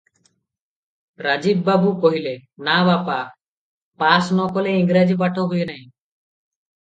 ରାଜୀବ ବାବୁ କହିଲେ, "ନା ବାପା, ପାସ ନ କଲେ ଇଂରାଜୀ ପାଠ ହୁଏ ନାହିଁ ।"